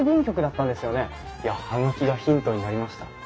いや葉書がヒントになりました。